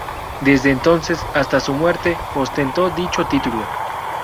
Desde entonces, hasta su muerte, ostentó dicho título.